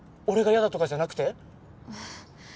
俺がヤダとかじゃなくて？